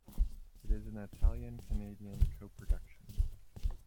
It is an Italian-Canadian co-production.